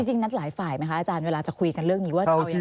จริงนัดหลายฝ่ายไหมคะอาจารย์เวลาจะคุยกันเรื่องนี้